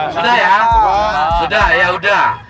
sudah ya sudah yaudah